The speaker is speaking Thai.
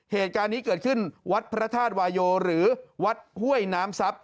เหตุการณ์นี้เกิดขึ้นวัดพระธาตุวายโยหรือวัดห้วยน้ำทรัพย